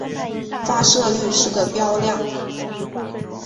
发射率是个标量。